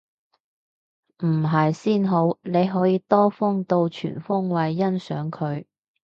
唔係先好，你可以多方度全方位欣賞佢